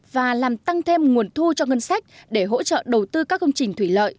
và làm tăng thêm nguồn thu cho ngân sách để hỗ trợ đầu tư các công trình thủy lợi